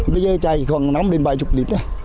bây giờ chạy khoảng năm đến bảy chục lít